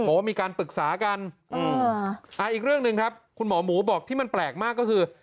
บอกว่ามีการปรึกษากันอีกเรื่องหนึ่งครับคุณหมอหมูบอกที่มันแปลกมากก็คือ